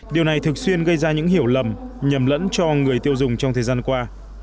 điều này thường xuyên gây ra những hiểu lầm nhầm lẫn cho người tiêu dùng trong thời gian qua